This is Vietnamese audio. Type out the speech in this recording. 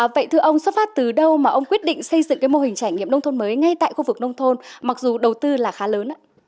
vậy thưa ông xuất phát từ đâu mà ông quyết định xây dựng cái mô hình trải nghiệm nông thôn mới ngay tại khu vực nông thôn mặc dù đầu tư là khá lớn